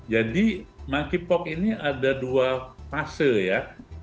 jadi monkeypox ini ada dua fase ya